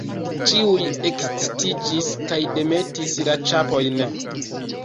Ĉiuj ekscitiĝis kaj demetis la ĉapojn.